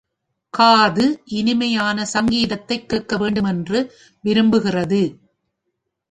காது இனிமையான சங்கீதத்தைக் கேட்க வேண்டுமென்று விரும்புகிறது.